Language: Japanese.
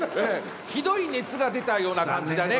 ひどい熱が出たような感じだね。